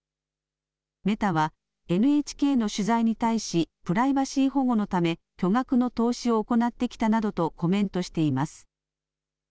メタはＮＨＫの取材に対しプライバシー保護のため巨額の投資を行ってきたなどとコメントしています。